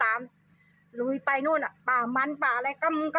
มันอยู่เหยียงลูกมันอยากตลอดทาง